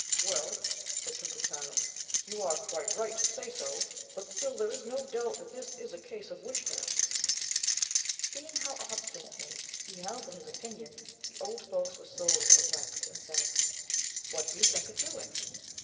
"Well," said Tokutarô, "you are quite right to say so; but still there is no doubt that this is a case of witchcraft." Seeing how obstinately he held to his opinion, the old folks were sorely perplexed, and said "What do you think of doing?"